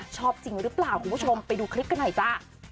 ชอบจริงหรือเปล่าคุณผู้ชมไปดูคลิปกันหน่อยจ้า